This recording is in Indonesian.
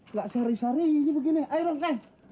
nggak seri serinya begini ayo dong ken